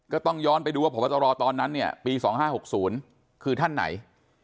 ก็ต้องย้อนไปดูว่าพบตรตอนนั้นเนี่ยปี๒๕๖๐คือท่านไหน